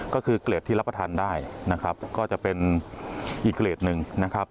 ก็คือเกรดที่รับประทานได้นะครับก็จะเป็นอีกเกรดหนึ่งนะครับ